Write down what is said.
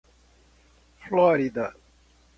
Flórida